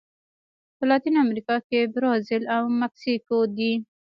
په لاتینه امریکا کې برازیل او مکسیکو دي.